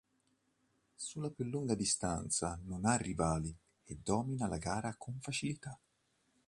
Sulla più lunga distanza non ha rivali e domina la gara con facilità.